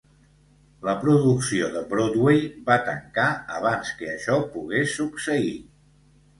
La producció de Broadway va tancar abans que això pogués succeir.